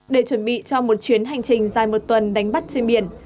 để chuẩn bị cho một chuyến hành trình dài một tuần đánh bắt trên biển